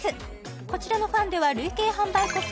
こちらのファンデは累計販売個数